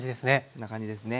こんな感じですね。